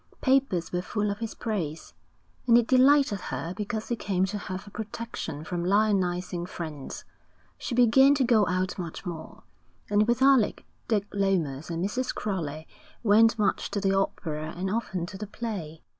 Papers were full of his praise. And it delighted her because he came to her for protection from lionising friends. She began to go out much more; and with Alec, Dick Lomas, and Mrs. Crowley, went much to the opera and often to the play.